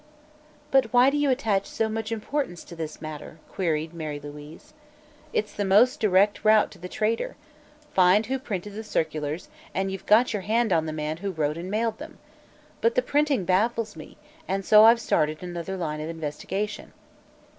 "But why do you attach so much importance to this matter?" queried Mary Louise. "It's the most direct route to the traitor. Find who printed the circulars and you've got your hand on the man who wrote and mailed them. But the printing baffles me, and so I've started another line of investigation."